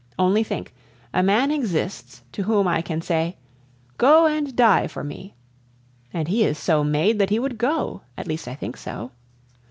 Only think, a man exists, to whom I can say, "Go and die for me!" And he is so made that he would go, at least I think so.